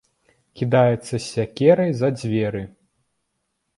Кідаецца з сякерай за дзверы.